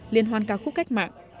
liên hoan ca khúc cách mạng